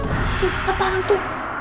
eh itu apaan itu